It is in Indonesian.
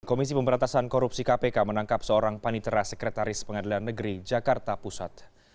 komisi pemberantasan korupsi kpk menangkap seorang panitera sekretaris pengadilan negeri jakarta pusat